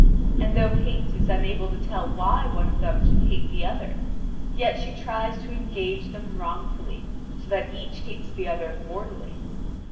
And though Hate is unable to tell why one of them should hate the other, yet she tries to engage them wrongfully, so that each hates the other mortally.